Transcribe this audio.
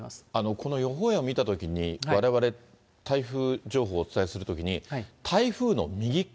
この予報円を見たときに、われわれ、台風情報お伝えするときに、台風の右っ側、